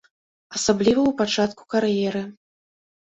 Асабліва ў пачатку кар'еры.